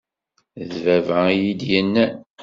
D baba iyi-d-yennan